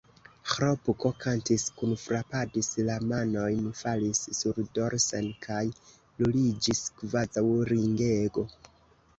Ĥlopko kantis, kunfrapadis la manojn, falis surdorsen kaj ruliĝis kvazaŭ ringego.